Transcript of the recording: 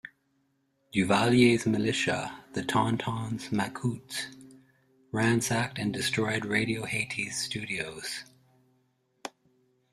Duvalier's militia, the Tontons Macoutes, ransacked and destroyed Radio Haiti's studios.